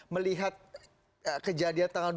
melihat kejadian tanggal dua satu dua dua